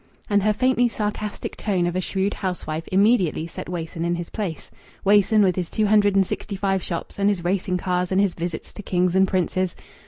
And her faintly sarcastic tone of a shrewd housewife immediately set Wason in his place Wason with his two hundred and sixty five shops, and his racing cars, and his visits to kings and princes.